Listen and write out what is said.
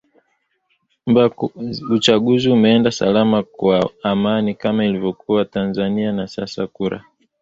mba uchaguzi umeenda salama kwa amani kama ilivyo kuwa tanzania na sasa kura